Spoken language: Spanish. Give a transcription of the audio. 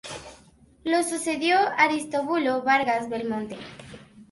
Lo sucedió Aristóbulo Vargas Belmonte.